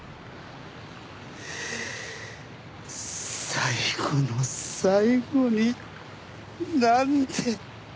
最後の最後になんで！